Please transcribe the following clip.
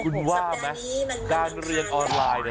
คุณว่าไหมสัปดาห์นี้มันอังคารนะ